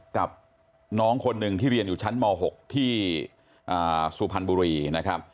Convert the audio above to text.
กับน้องคนหนึ่งที่เรียนอยู่ชั้นม๖ที่สุพรรณบุรีนะครับ